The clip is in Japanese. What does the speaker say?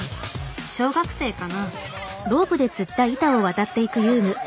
小学生かな？